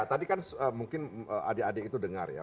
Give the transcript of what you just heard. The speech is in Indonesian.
tadi kan mungkin adik adik itu dengar ya